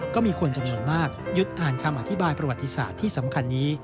ก็มีคนจำนวนมากหยุดอ่านคำอธิบายประวัติศาสตร์ที่สำคัญนี้